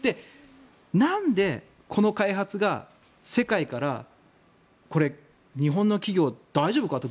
なんでこの開発が、世界から日本の企業、大丈夫かと。